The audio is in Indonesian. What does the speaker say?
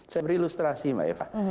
saya beri ilustrasi mbak eva